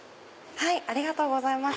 ありがとうございます。